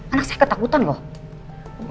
anak saya ketakutan kok